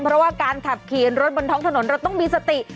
เพราะว่าการขับขี่รถบนท้องถนนเราต้องมีสติ